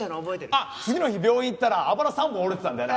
あっ次の日病院行ったらあばら３本折れてたんだよな。